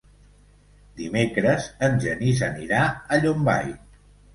Dimecres en Genís anirà a Llombai.